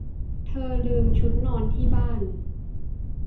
เธอลืมชุดนอนที่บ้าน